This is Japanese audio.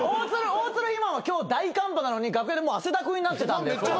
大鶴肥満は今日大寒波なのに楽屋でもう汗だくになってたんで。